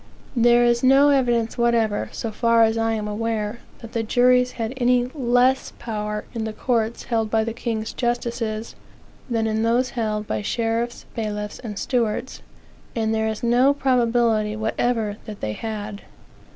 There is no evidence whatever, so far as I am aware, that the juries had any less power in the courts held by the king's justices, than in those held by sheriffs, bailiff, and stewards; and there is no probability whatever that they had.